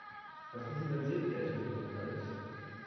Hast du schon dein Seepferdchen gemacht, Alex?